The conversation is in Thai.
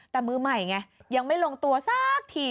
แต่มือใหม่ไงยังไม่ลงตัวสักที